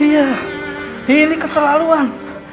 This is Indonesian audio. iya ini keterlaluan